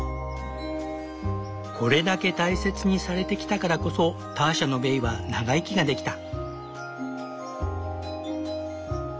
これだけ大切にされてきたからこそターシャのベイは長生きができた。